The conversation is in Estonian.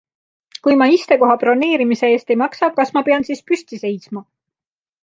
Kui ma istekoha broneerimise eest ei maksa, kas ma pean siis püsti seisma?